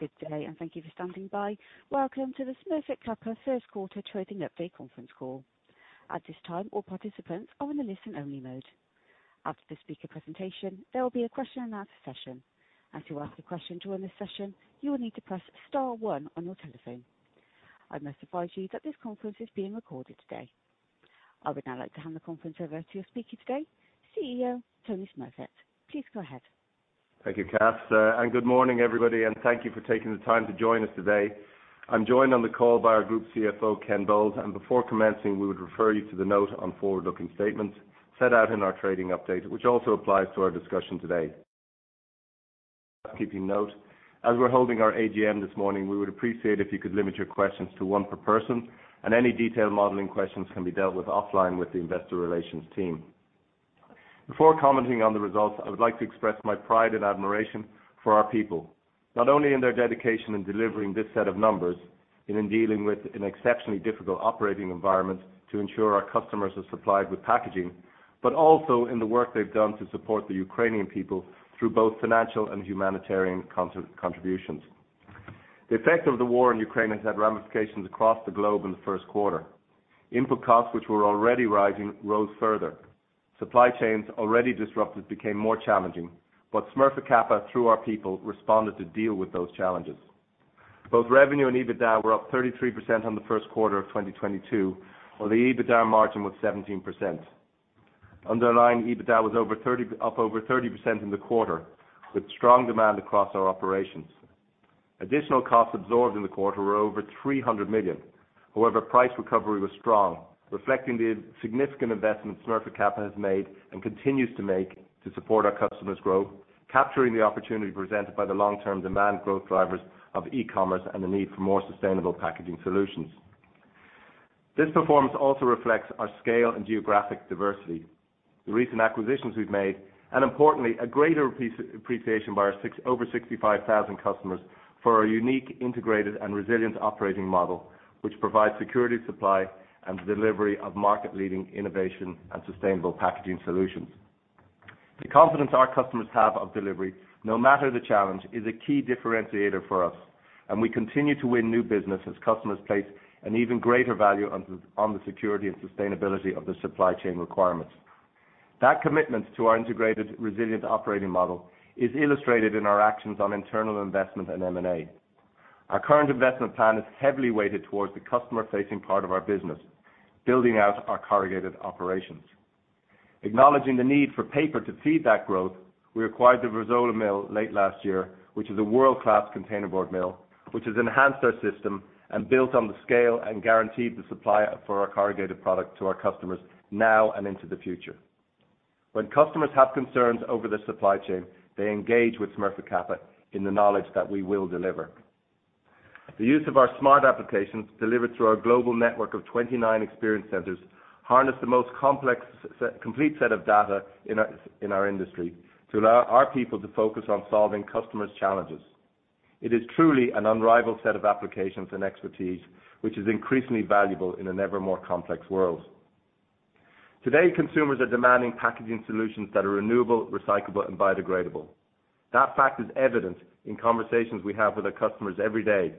Good day, and thank you for standing by. Welcome to the Smurfit Kappa First Quarter Trading Update Conference Call. At this time, all participants are in a listen-only mode. After the speaker presentation, there will be a Question and Answer Session. As you ask a question during this session, you will need to press star one on your telephone. I must advise you that this conference is being recorded today. I would now like to hand the conference over to your speaker today, CEO Tony Smurfit. Please go ahead. Thank you, Cass. Good morning, everybody, and thank you for taking the time to join us today. I'm joined on the call by our Group CFO, Ken Bowles, and before commencing, we would refer you to the note on forward-looking statements set out in our trading update, which also applies to our discussion today. Just a note, as we're holding our AGM this morning, we would appreciate if you could limit your questions to one per person, and any detailed modeling questions can be dealt with off-line with the investor relations team. Before commenting on the results, I would like to express my pride and admiration for our people, not only in their dedication in delivering this set of numbers and in dealing with an exceptionally difficult operating environment to ensure our customers are supplied with packaging, but also in the work they've done to support the Ukrainian people through both financial and humanitarian contributions. The effect of the war in Ukraine has had ramifications across the globe in the first quarter. Input costs which were already rising rose further. Supply chains already disrupted became more challenging. Smurfit Kappa, through our people, responded to deal with those challenges. Both revenue and EBITDA were up 33% on the first quarter of 2022, while the EBITDA margin was 17%. Underlying EBITDA was up over 30% in the quarter, with strong demand across our operations. Additional costs absorbed in the quarter were over 300 million. However, price recovery was strong, reflecting the significant investment Smurfit Kappa has made and continues to make to support our customers' growth, capturing the opportunity presented by the long-term demand growth drivers of e-commerce and the need for more sustainable packaging solutions. This performance also reflects our scale and geographic diversity. The recent acquisitions we've made, and importantly, a greater appreciation by our over 65,000 customers for our unique, integrated and resilient operating model, which provides security of supply and delivery of market-leading innovation and sustainable packaging solutions. The confidence our customers have of delivery, no matter the challenge, is a key differentiator for us, and we continue to win new business as customers place an even greater value on the security and sustainability of the supply chain requirements. That commitment to our integrated, resilient operating model is illustrated in our actions on internal investment and M&A. Our current investment plan is heavily weighted towards the customer-facing part of our business, building out our corrugated operations. Acknowledging the need for paper to feed that growth, we acquired the Verzuolo mill late last year, which is a world-class containerboard mill, which has enhanced our system and built on the scale and guaranteed the supply for our corrugated product to our customers now and into the future. When customers have concerns over the supply chain, they engage with Smurfit Kappa in the knowledge that we will deliver. The use of our Smart Applications delivered through our global network of 29 Experience Centers harness the most complex complete set of data in our industry to allow our people to focus on solving customers' challenges. It is truly an unrivaled set of applications and expertise, which is increasingly valuable in an ever more complex world. Today, consumers are demanding packaging solutions that are renewable, recyclable, and biodegradable. That fact is evident in conversations we have with our customers every day.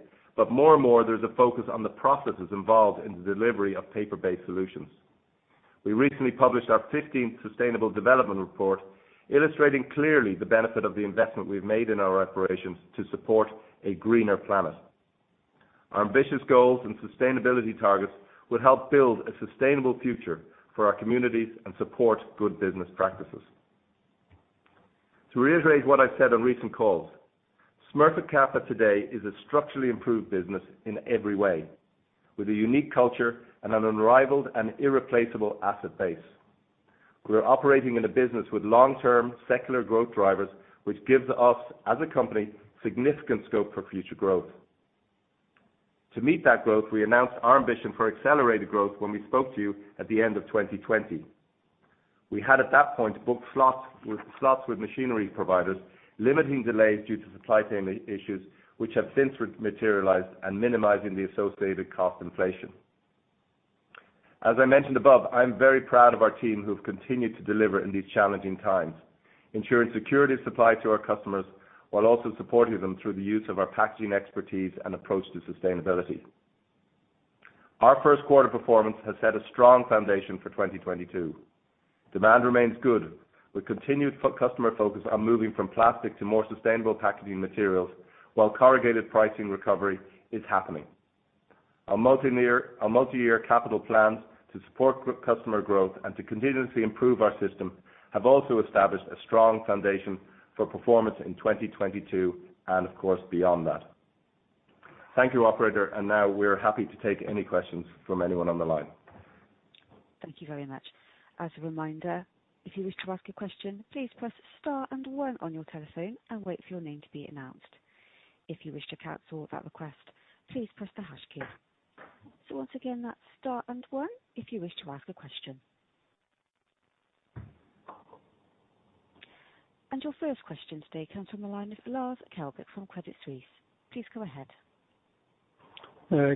More and more, there's a focus on the processes involved in the delivery of paper-based solutions. We recently published our fifteenth sustainable development report, illustrating clearly the benefit of the investment we've made in our operations to support a greener planet. Our ambitious goals and sustainability targets will help build a sustainable future for our communities and support good business practices. To reiterate what I said on recent calls, Smurfit Kappa today is a structurally improved business in every way, with a unique culture and an unrivaled and irreplaceable asset base. We are operating in a business with long-term secular growth drivers, which gives us, as a company, significant scope for future growth. To meet that growth, we announced our ambition for accelerated growth when we spoke to you at the end of 2020. We had, at that point, booked slots with machinery providers, limiting delays due to supply chain issues, which have since materialized and minimizing the associated cost inflation. As I mentioned above, I'm very proud of our team, who have continued to deliver in these challenging times, ensuring security of supply to our customers while also supporting them through the use of our packaging expertise and approach to sustainability. Our first quarter performance has set a strong foundation for 2022. Demand remains good with continued customer focus on moving from plastic to more sustainable packaging materials, while corrugated pricing recovery is happening. Our multi-year capital plans to support customer growth and to continuously improve our system have also established a strong foundation for performance in 2022 and of course beyond that. Thank you, operator. Now we're happy to take any questions from anyone on the line. Thank you very much. As a reminder, if you wish to ask a question, please press star and one on your telephone and wait for your name to be announced. If you wish to cancel that request, please press the hash key. So once again, that's star and one if you wish to ask a question. Your first question today comes from the line of Lars Kjellberg from Credit Suisse. Please go ahead.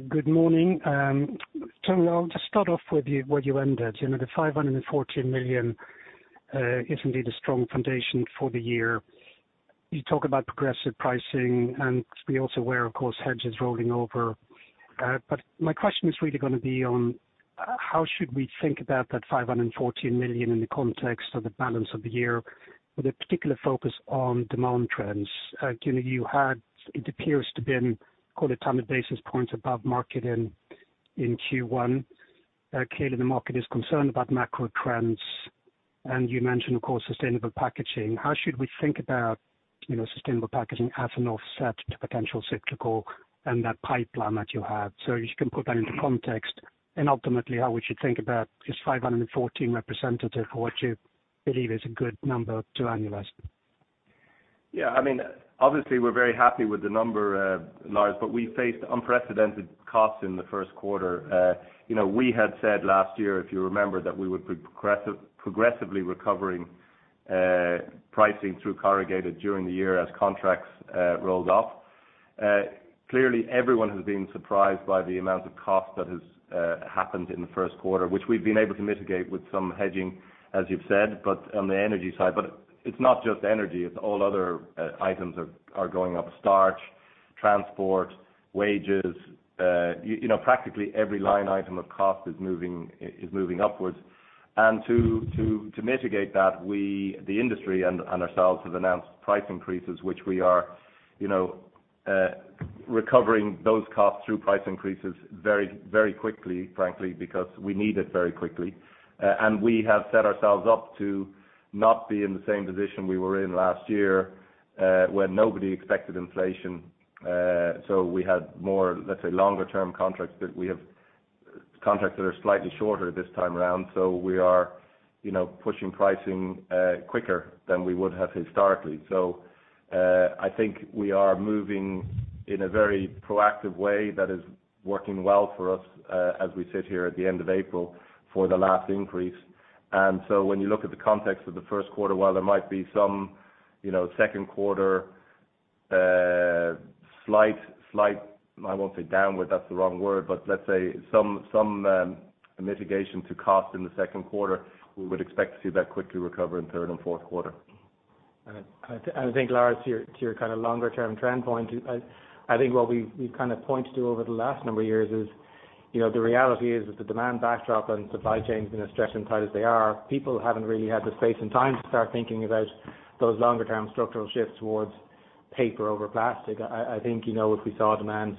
Good morning. Tony, I'll just start off where you ended. You know, the 514 million is indeed a strong foundation for the year. You talk about progressive pricing, and we also have, of course, hedges rolling over. My question is really gonna be on how should we think about that 514 million in the context of the balance of the year with a particular focus on demand trends? You know, it appears to have been call it 10 basis points above market in Q1. Clearly the market is concerned about macro trends, and you mentioned, of course, sustainable packaging. How should we think about, you know, sustainable packaging as an offset to potential cyclical and that pipeline that you have? If you can put that into context and ultimately how we should think about is 514 representative of what you believe is a good number to annualize. I mean, obviously, we're very happy with the number, Lars, but we faced unprecedented costs in the first quarter. You know, we had said last year, if you remember, that we would progressively recovering pricing through corrugated during the year as contracts rolled off. Clearly everyone has been surprised by the amount of cost that has happened in the first quarter, which we've been able to mitigate with some hedging, as you've said, but on the energy side. But it's not just energy, it's all other items are going up, starch, transport, wages. You know, practically every line item of cost is moving upwards. To mitigate that, we, the industry and ourselves have announced price increases, which we are, you know, recovering those costs through price increases very, very quickly, frankly, because we need it very quickly. We have set ourselves up to not be in the same position we were in last year, when nobody expected inflation. We had more, let's say, longer term contracts that we have contracts that are slightly shorter this time around. We are, you know, pushing pricing quicker than we would have historically. I think we are moving in a very proactive way that is working well for us, as we sit here at the end of April for the last increase. When you look at the context of the first quarter, while there might be some, you know, second quarter slight, I won't say downward, that's the wrong word, but let's say some mitigation to cost in the second quarter, we would expect to see that quickly recover in third and fourth quarter. I think, Lars, to your kind of longer term trend point, I think what we've kind of pointed to over the last number of years is, you know, the reality is that the demand backdrop and supply chains being as stretched and tight as they are, people haven't really had the space and time to start thinking about those longer term structural shifts towards paper over plastic. I think, you know, if we saw demand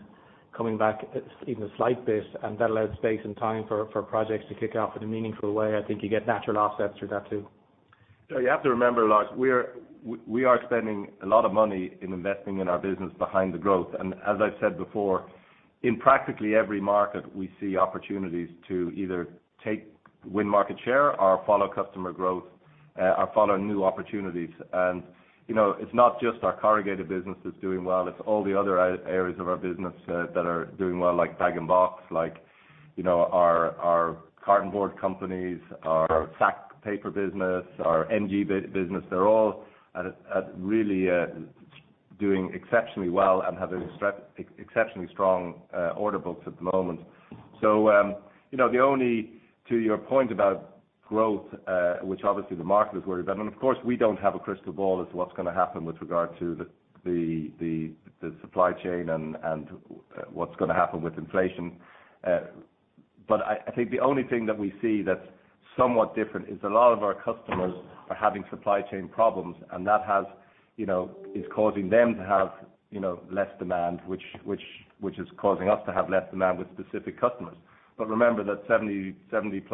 coming back even a slight bit, and that allowed space and time for projects to kick off in a meaningful way, I think you get natural offsets through that too. You have to remember, Lars, we are spending a lot of money investing in our business behind the growth. As I've said before, in practically every market, we see opportunities to either take or win market share or follow customer growth or follow new opportunities. You know, it's not just our corrugated business that's doing well, it's all the other areas of our business that are doing well, like bag and box, like, you know, our cartonboard companies, our sack paper business, our MG business. They're all really doing exceptionally well and have exceptionally strong order books at the moment. You know, the only, to your point about growth, which obviously the market is worried about, and of course, we don't have a crystal ball as to what's gonna happen with regard to the supply chain and what's gonna happen with inflation. But I think the only thing that we see that's somewhat different is a lot of our customers are having supply chain problems, and that, you know, is causing them to have less demand, which is causing us to have less demand with specific customers. But remember that 70%+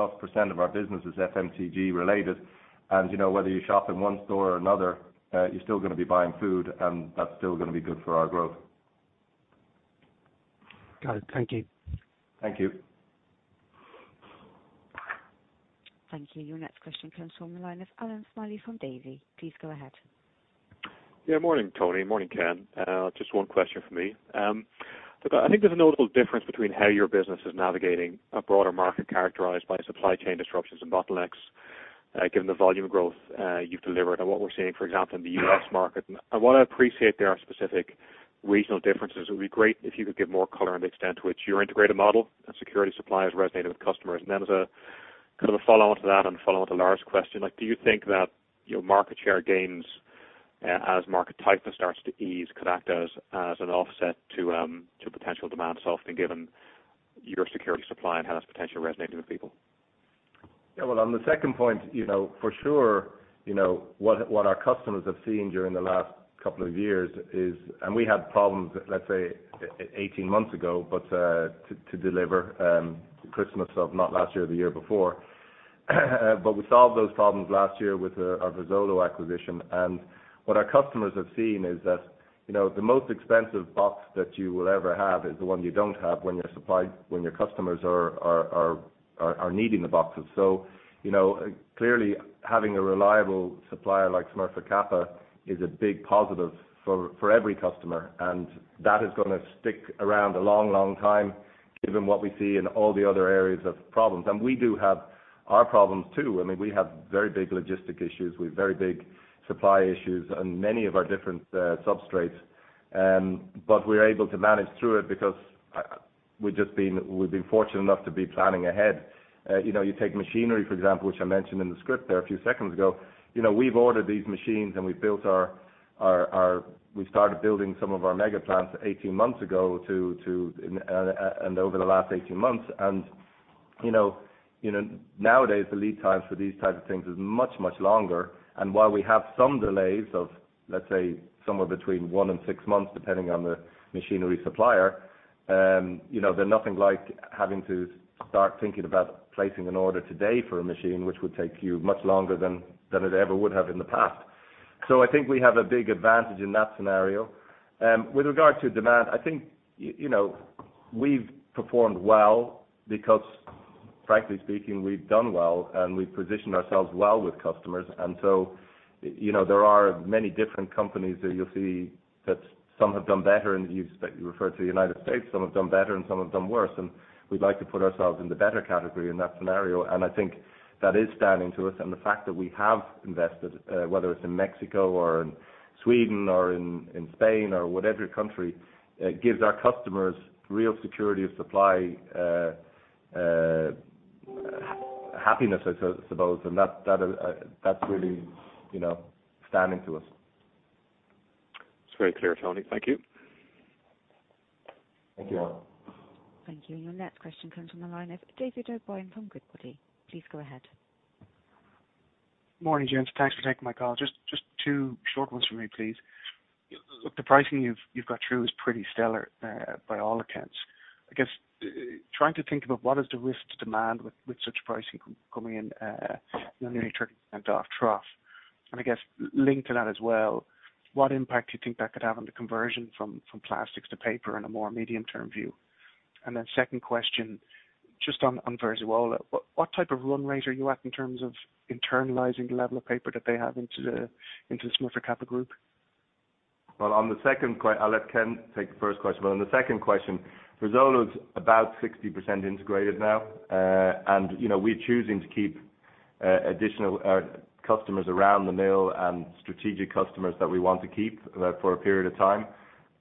of our business is FMCG related. You know, whether you shop in one store or another, you're still gonna be buying food, and that's still gonna be good for our growth. Got it. Thank you. Thank you. Thank you. Your next question comes from the line of Allan Smylie from Davy. Please go ahead. Yeah. Morning, Tony. Morning, Ken. Just one question for me. Look, I think there's a notable difference between how your business is navigating a broader market characterized by supply chain disruptions and bottlenecks, given the volume growth you've delivered and what we're seeing, for example, in the U.S. market. I wanna appreciate there are specific regional differences. It'd be great if you could give more color on the extent to which your integrated model and secure suppliers resonated with customers. Then as a kind of a follow-on to that and follow-on to Lars' question, like, do you think that, you know, market share gains, as market tightness starts to ease, could act as an offset to potential demand softness, given your secure supply and how that's potentially resonating with people? Yeah. Well, on the second point, you know, for sure, you know, what our customers have seen during the last couple of years is, and we had problems, let's say eighteen months ago, but to deliver Christmas of not last year or the year before. But we solved those problems last year with our Verzuolo acquisition. And what our customers have seen is that, you know, the most expensive box that you will ever have is the one you don't have when your customers are needing the boxes. So, you know, clearly having a reliable supplier like Smurfit Kappa is a big positive for every customer, and that is gonna stick around a long, long time. Given what we see in all the other areas of problems, and we do have our problems too. I mean, we have very big logistics issues. We have very big supply issues in many of our different substrates. But we're able to manage through it because we've been fortunate enough to be planning ahead. You know, you take machinery, for example, which I mentioned in the script there a few seconds ago. You know, we've ordered these machines, and we've started building some of our mega plants 18 months ago and over the last 18 months. You know, nowadays, the lead times for these type of things is much longer. While we have some delays of, let's say, somewhere between one and six months, depending on the machinery supplier, you know, they're nothing like having to start thinking about placing an order today for a machine which would take you much longer than it ever would have in the past. I think we have a big advantage in that scenario. With regard to demand, I think, you know, we've performed well because frankly speaking, we've done well, and we've positioned ourselves well with customers. You know, there are many different companies that you'll see that some have done better, that you referred to the United States. Some have done better, and some have done worse, and we'd like to put ourselves in the better category in that scenario. I think that is standing to us. The fact that we have invested, whether it's in Mexico or in Sweden or in Spain or whatever country, gives our customers real security of supply, happiness, I suppose, and that's really, you know, standing to us. It's very clear, Tony. Thank you. Thank you, Allan. Thank you. Your next question comes from the line of David O'Brien from Goodbody. Please go ahead. Morning, gents. Thanks for taking my call. Just two short ones from me, please. Look, the pricing you've got through is pretty stellar, by all accounts. I guess, trying to think about what is the risk to demand with such pricing coming in, nearly 30% off trough. I guess linked to that as well, what impact do you think that could have on the conversion from plastics to paper in a more medium-term view? Second question, just on Verzuolo. What type of run rate are you at in terms of internalizing the level of paper that they have into the Smurfit Kappa group? I'll let Ken take the first question. On the second question, Verzuolo is about 60% integrated now. You know, we're choosing to keep additional customers around the mill and strategic customers that we want to keep for a period of time.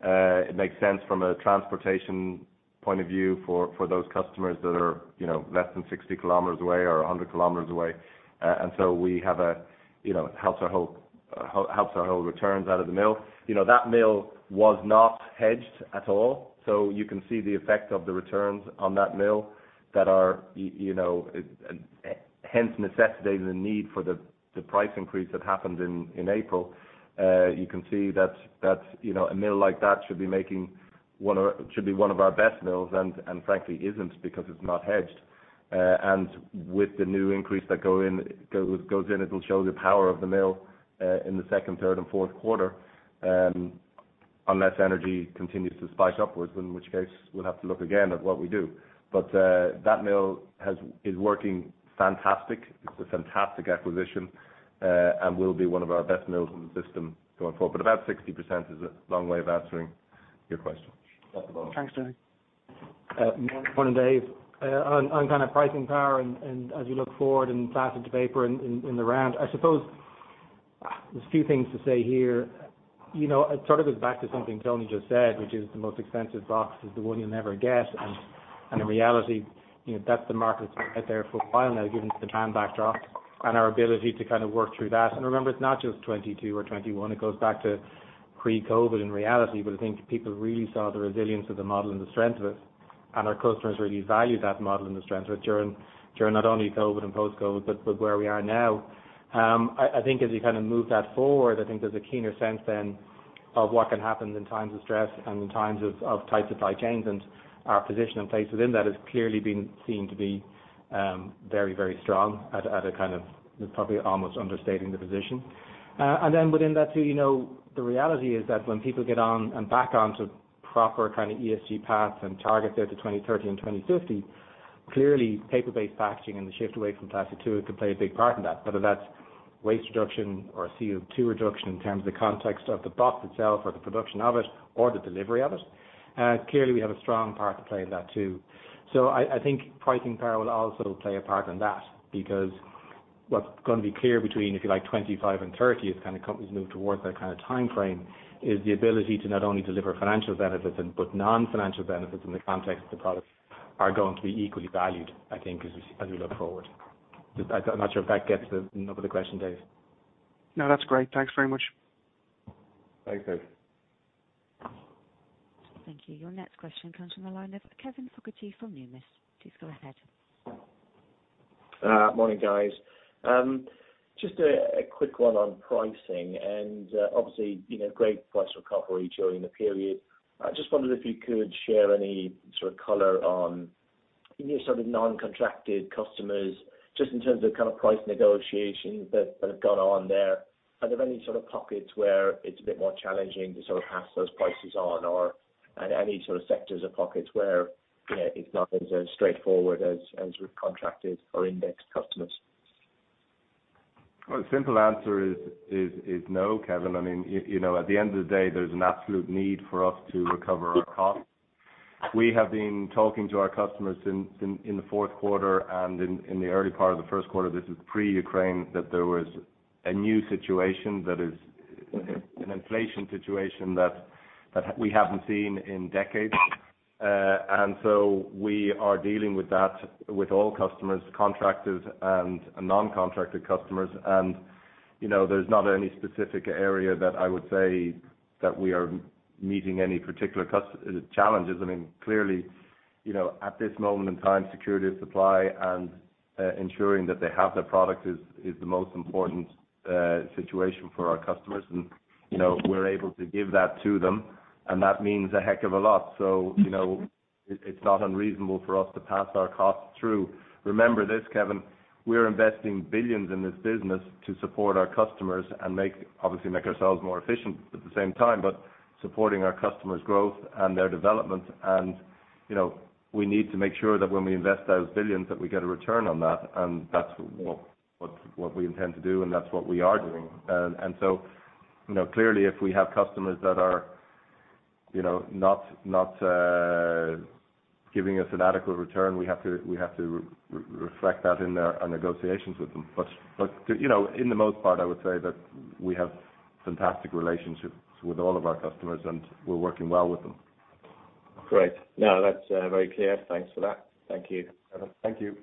It makes sense from a transportation point of view for those customers that are, you know, less than 60km away or 100km away. You know, helps our whole returns out of the mill. You know, that mill was not hedged at all, so you can see the effect of the returns on that mill that are hence necessitating the need for the price increase that happened in April. You can see that that's, you know, a mill like that should be making one of our best mills and frankly isn't because it's not hedged. With the new increase that goes in, it'll show the power of the mill in the second, third and fourth quarter, unless energy continues to spike upwards, in which case we'll have to look again at what we do. That mill is working fantastic. It's a fantastic acquisition and will be one of our best mills in the system going forward. About 60% is a long way of answering your question. Thanks, Tony. Morning, Dave. On kind of pricing power and as you look forward in plastic to paper in the round, I suppose there's a few things to say here. You know, it sort of goes back to something Tony just said, which is the most expensive box is the one you'll never get. In reality, you know, that's the market that's been out there for a while now, given the time backdrop and our ability to kind of work through that. Remember, it's not just 2022 or 2021. It goes back to pre-COVID in reality. I think people really saw the resilience of the model and the strength of it, and our customers really value that model and the strength of it during not only COVID and post-COVID, but where we are now. I think as you kind of move that forward, I think there's a keener sense then of what can happen in times of stress and in times of tight supply chains, and our position and place within that has clearly been seen to be very strong at a kind of probably almost understating the position. Within that too, you know, the reality is that when people get on and back onto proper kind of ESG paths and targets there to 2030 and 2050, clearly paper-based packaging and the shift away from plastic too could play a big part in that. Whether that's waste reduction or CO2 reduction in terms of the context of the box itself or the production of it or the delivery of it, clearly we have a strong part to play in that too. I think pricing power will also play a part in that, because what's gonna be clear between, if you like, 2025 and 2030, as kind of companies move towards that kind of timeframe, is the ability to not only deliver financial benefits, but non-financial benefits in the context of the product are going to be equally valued, I think, as we look forward. I'm not sure if that gets the nub of the question, Dave. No, that's great. Thanks very much. Thanks, Dave. Thank you. Your next question comes from the line of Kevin Fogarty from Numis. Please go ahead. Morning, guys. Just a quick one on pricing and obviously, you know, great price recovery during the period. I just wondered if you could share any sort of color on your sort of non-contracted customers, just in terms of kind of price negotiations that have gone on there. Are there any sort of pockets where it's a bit more challenging to sort of pass those prices on or any sort of sectors or pockets where, you know, it's not as straightforward as with contracted or indexed customers? Well, the simple answer is no, Kevin. I mean, you know, at the end of the day, there's an absolute need for us to recover our costs. We have been talking to our customers in the fourth quarter and in the early part of the first quarter, this is pre-Ukraine, that there was a new situation that is an inflation situation that we haven't seen in decades. We are dealing with that with all customers, contracted and non-contracted customers. You know, there's not any specific area that I would say that we are meeting any particular challenges. I mean, clearly, you know, at this moment in time, security of supply and ensuring that they have their product is the most important situation for our customers. You know, we're able to give that to them, and that means a heck of a lot. You know, it's not unreasonable for us to pass our costs through. Remember this, Kevin, we're investing billions in this business to support our customers and, obviously, make ourselves more efficient at the same time, but supporting our customers' growth and their development. You know, we need to make sure that when we invest those billions, that we get a return on that, and that's what we intend to do, and that's what we are doing. You know, clearly if we have customers that are, you know, not giving us an adequate return, we have to reflect that in our negotiations with them. You know, for the most part, I would say that we have fantastic relationships with all of our customers, and we're working well with them. Great. No, that's very clear. Thanks for that. Thank you. Thank you.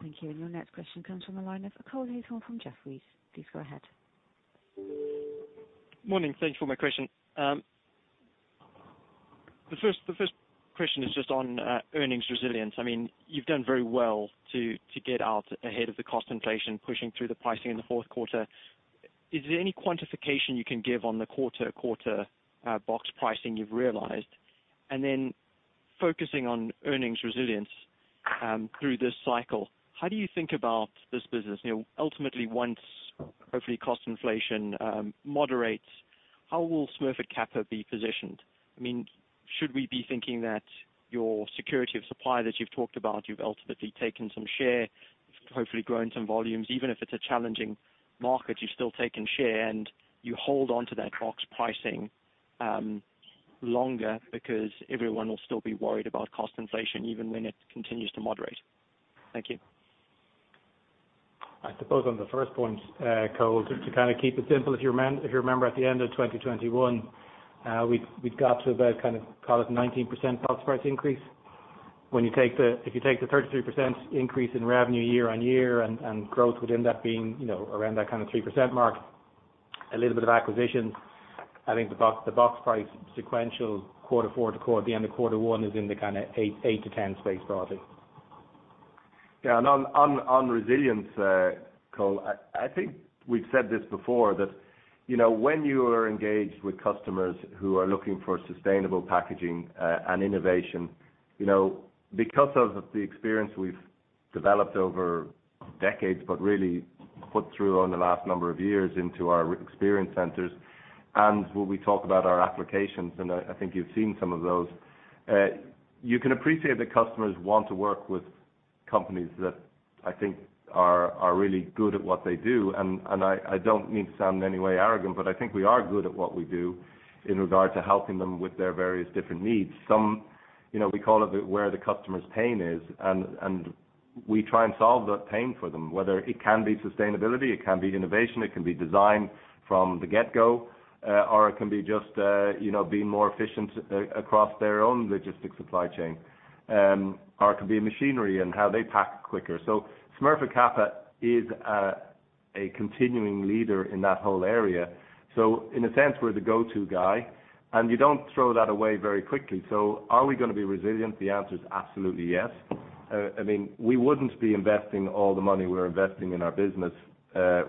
Thank you. Your next question comes from the line of Cole Hathorn from Jefferies. Please go ahead. Morning. Thank you for my question. The first question is just on earnings resilience. I mean, you've done very well to get out ahead of the cost inflation, pushing through the pricing in the fourth quarter. Is there any quantification you can give on the quarter-over-quarter box pricing you've realized? And then focusing on earnings resilience through this cycle, how do you think about this business? You know, ultimately once, hopefully cost inflation moderates, how will Smurfit Kappa be positioned? I mean, should we be thinking that your security of supply that you've talked about, you've ultimately taken some share, hopefully grown some volumes. Even if it's a challenging market, you've still taken share, and you hold onto that box pricing longer because everyone will still be worried about cost inflation even when it continues to moderate. Thank you. I suppose on the first point, Cole, to kind of keep it simple, if you remember at the end of 2021, we'd got to about kind of call it 19% box price increase. If you take the 33% increase in revenue year-on-year and growth within that being, you know, around that kind of 3% mark, a little bit of acquisitions, I think the box price sequential quarter four to the end of quarter one is in the kind of 8%-10% space broadly. On resilience, Cole, I think we've said this before, that you know, when you are engaged with customers who are looking for sustainable packaging and innovation, you know, because of the experience we've developed over decades, but really put through on the last number of years into our Experience Centers and when we talk about our applications, and I think you've seen some of those, you can appreciate that customers want to work with companies that I think are really good at what they do. I don't mean to sound in any way arrogant, but I think we are good at what we do in regard to helping them with their various different needs. Some, you know, we call it the, where the customer's pain is, and we try and solve that pain for them, whether it can be sustainability, it can be innovation, it can be design from the get-go, or it can be just, you know, being more efficient across their own logistics supply chain. Or it could be machinery and how they pack quicker. Smurfit Kappa is a continuing leader in that whole area. In a sense, we're the go-to guy, and you don't throw that away very quickly. Are we gonna be resilient? The answer is absolutely yes. I mean, we wouldn't be investing all the money we're investing in our business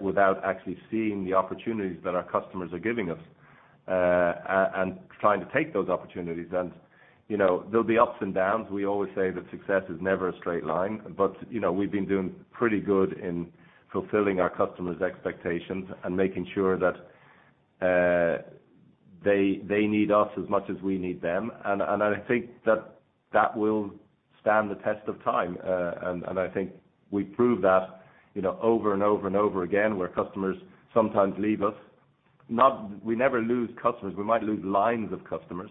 without actually seeing the opportunities that our customers are giving us and trying to take those opportunities. You know, there'll be ups and downs. We always say that success is never a straight line, but you know, we've been doing pretty good in fulfilling our customers' expectations and making sure that they need us as much as we need them. I think that will stand the test of time. I think we prove that you know, over and over and over again, where customers sometimes leave us. We never lose customers. We might lose lines of customers.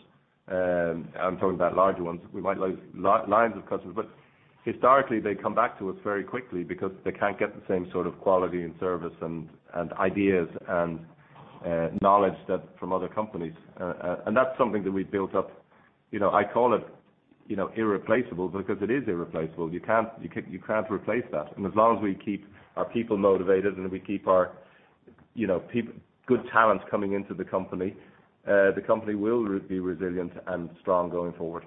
I'm talking about larger ones. We might lose lines of customers, but historically, they come back to us very quickly because they can't get the same sort of quality and service and ideas and knowledge that from other companies. That's something that we've built up. You know, I call it you know, irreplaceable because it is irreplaceable. You can't replace that. As long as we keep our people motivated and we keep our, you know, good talent coming into the company, the company will be resilient and strong going forward.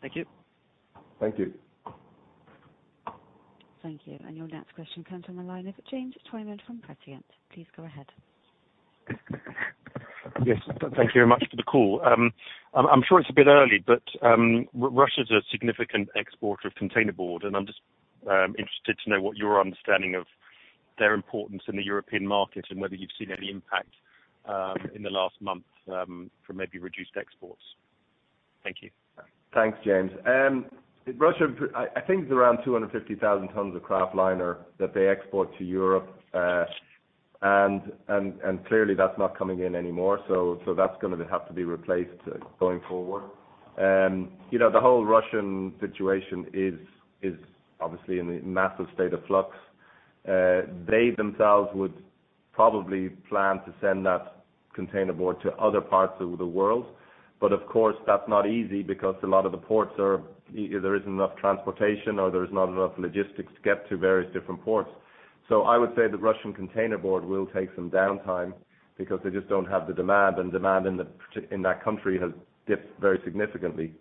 Thank you. Thank you. Thank you. Your next question comes on the line of James Twyman from Prescient. Please go ahead. Yes. Thank you very much for the call. I'm sure it's a bit early, but Russia's a significant exporter of containerboard, and I'm just interested to know what your understanding of their importance in the European market and whether you've seen any impact in the last month from maybe reduced exports. Thanks, James. Russia, I think it's around 250,000 tons of kraftliner that they export to Europe. Clearly, that's not coming in anymore, so that's gonna have to be replaced going forward. You know, the whole Russian situation is obviously in a massive state of flux. They themselves would probably plan to send that containerboard to other parts of the world. Of course, that's not easy because a lot of the ports are either there isn't enough transportation or there's not enough logistics to get to various different ports. I would say the Russian containerboard will take some downtime because they just don't have the demand, and demand in that country has dipped very significantly.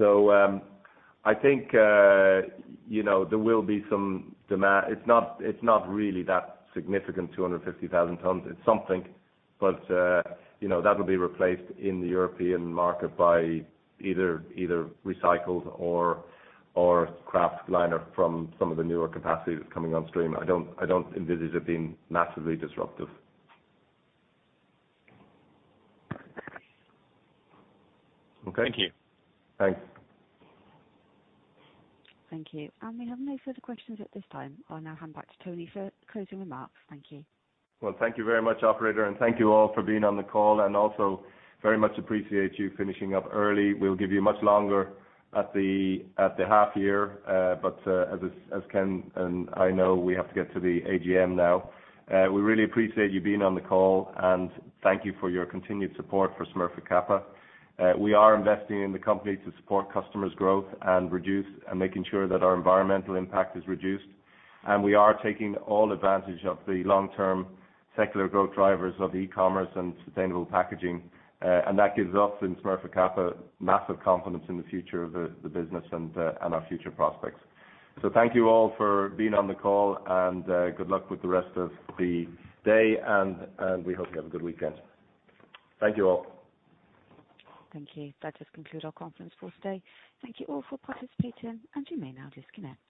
I think, you know, there will be some demand. It's not really that significant, 250,000 tons. It's something. You know, that'll be replaced in the European market by either recycled or kraftliner from some of the newer capacity that's coming on stream. I don't envisage it being massively disruptive. Okay. Thank you. Thanks. Thank you. We have no further questions at this time. I'll now hand back to Tony for closing remarks. Thank you. Well, thank you very much, operator, and thank you all for being on the call. Also very much appreciate you finishing up early. We'll give you much longer at the half year. As Ken and I know, we have to get to the AGM now. We really appreciate you being on the call, and thank you for your continued support for Smurfit Kappa. We are investing in the company to support customers' growth and reduce and making sure that our environmental impact is reduced. We are taking all advantage of the long-term secular growth drivers of e-commerce and sustainable packaging. That gives us in Smurfit Kappa massive confidence in the future of the business and our future prospects. Thank you all for being on the call, and good luck with the rest of the day, and we hope you have a good weekend. Thank you all. Thank you. That does conclude our conference for today. Thank you all for participating, and you may now disconnect.